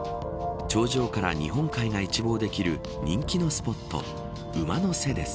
頂上から日本海が一望できる人気のスポット、馬の背です。